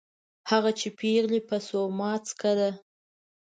هلته چې پېغلې به سوما څکله